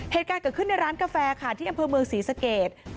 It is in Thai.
เหตุการณ์เกิดขึ้นในร้านกาแฟค่ะที่อำเภอเมืองศรีสเกต